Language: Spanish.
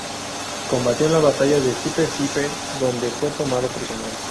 Combatió en la batalla de Sipe-Sipe, donde fue tomado prisionero.